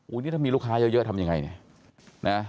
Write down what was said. นี่ถ้ามีลูกค้าเยอะทำยังไงเนี่ยนะ